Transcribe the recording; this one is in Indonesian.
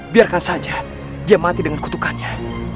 biarkan saja dia mati dengan kutukannya